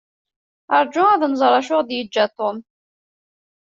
Rju ad nẓer acu i ɣ-d-yeǧǧa Tom.